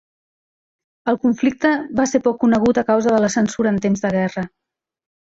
El conflicte va ser poc conegut a causa de la censura en temps de guerra.